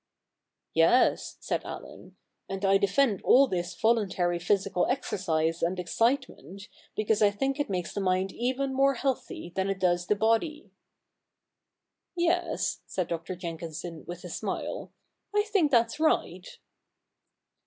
' Yes,' said Allen, ' and I defend all this voluntary physical exercise and excitement, because I think it CH. ii] THE NEW REPUBLIC 219 makes the mind even more healthy than it does the body.' ' Yes,' said Dr. Jenkinson with a smile, ' I think that's right.'